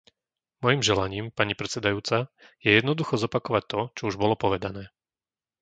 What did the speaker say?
Mojím želaním, pani predsedajúca, je jednoducho zopakovať to, čo už bolo povedané.